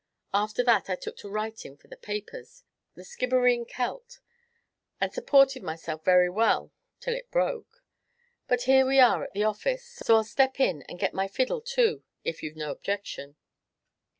After that I took to writin' for the papers 'The Skibbereen Celt' and supported myself very well till it broke. But here we are at the office, so I 'll step in, and get my fiddle, too, if you 've no objection."